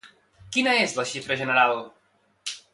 Quina és la xifra general?